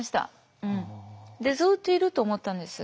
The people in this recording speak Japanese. でずっといると思ったんです。